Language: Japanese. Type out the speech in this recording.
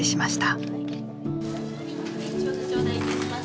ちょうど頂戴いたします。